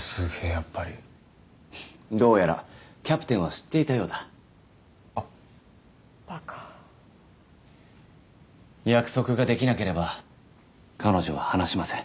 やっぱりどうやらキャプテンは知っていたようだあっバカ約束ができなければ彼女は話しません